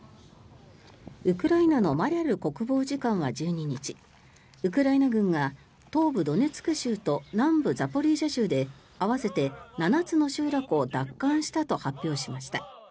ウクライナのマリャル国防次官は１２日ウクライナ軍が東部ドネツク州と南部ザポリージャ州で合わせて７つの集落を奪還したと発表しました。